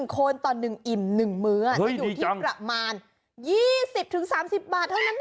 คนต่อ๑อิ่ม๑มื้อจะอยู่ที่ประมาณ๒๐๓๐บาทเท่านั้นค่ะ